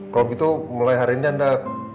kalau begitu mulai hari ini anda